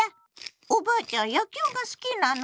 「おばあちゃん野球が好きなの？」